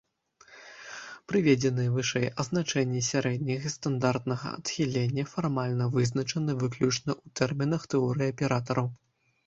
Прыведзеныя вышэй азначэнні сярэдняга і стандартнага адхілення фармальна вызначаны выключна ў тэрмінах тэорыі аператараў.